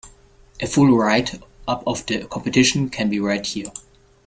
A full write up of the competition can be read here.